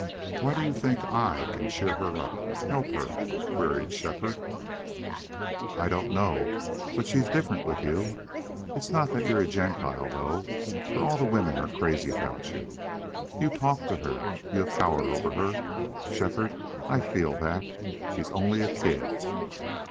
"Why do you think I can cheer her, help her?" queried Shefford. "I don't know. But she's different with you. It's not that you're a Gentile, though, for all the women are crazy about you. You talk to her. You have power over her, Shefford. I feel that. She's only a kid."